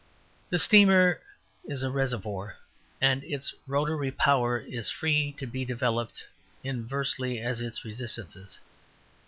The steamer is a reservoir, and its rotatory power is free to be developed "inversely as its resistances."